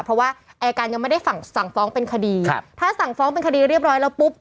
เพราะว่าอายการยังไม่ได้สั่งสั่งฟ้องเป็นคดีครับถ้าสั่งฟ้องเป็นคดีเรียบร้อยแล้วปุ๊บ